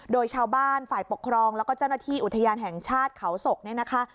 โดยชาวบ้านฝ่ายปกครองแล้วก็เจ้าหน้าที่อุทยานแห่งชาติเขาศกเนี่ยนะคะ